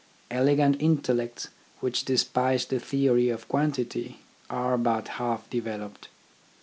Elegant intellects which despise the theory of quantity, are but half developed.